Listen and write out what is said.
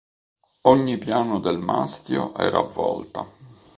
Ogni piano del mastio era a volta.